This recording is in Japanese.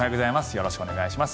よろしくお願いします。